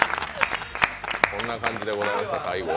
こんな感じでございました。